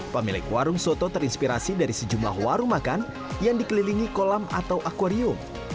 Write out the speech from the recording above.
pemilik warung soto terinspirasi dari sejumlah warung makan yang dikelilingi kolam atau akwarium